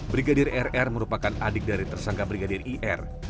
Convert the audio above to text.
brigadir rr merupakan adik dari tersangka brigadir ir